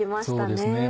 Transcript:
そうですね